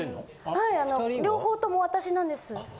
はい両方とも私なんです。